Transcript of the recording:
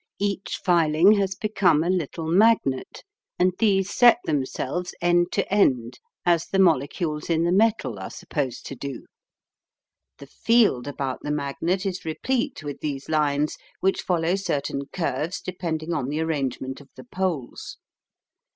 Each filing has become a little magnet, and these set themselves end to end as the molecules in the metal are supposed to do. The "field" about the magnet is replete with these lines, which follow certain curves depending on the arrangement of the poles.